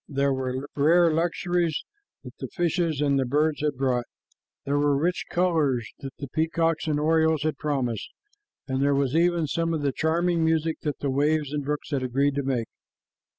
There were rare luxuries that the fishes and the birds had brought. There were rich colors that the peacocks and orioles had promised, and there was even some of the charming music that the waves and brooks had agreed to make.